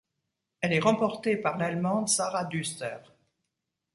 Elle est remportée par l'Allemande Sarah Düster.